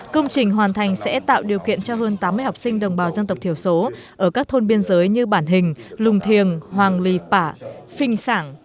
công trình hoàn thành sẽ tạo điều kiện cho hơn tám mươi học sinh đồng bào dân tộc thiểu số ở các thôn biên giới như bản hình lùng thiềng hoàng lì pả phinh sản